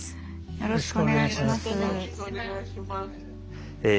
よろしくお願いします。